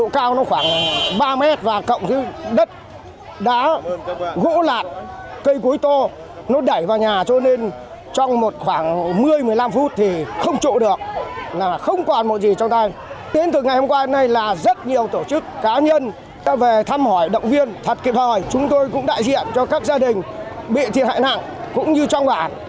các gia đình bị thiệt hại nặng cũng như trong bản dân nhân dân xã nghĩa đô thành thật xin chân thành cảm ơn